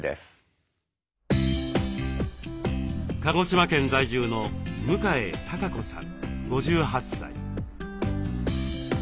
鹿児島県在住の向江貴子さん５８歳。